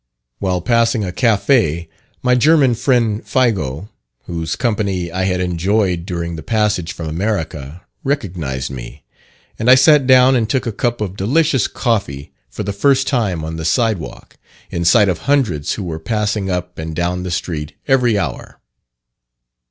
While passing a café, my German friend Faigo, whose company I had enjoyed during the passage from America, recognised me, and I sat down and took a cup of delicious coffee for the first time on the side walk, in sight of hundreds who were passing up and down the street every hour.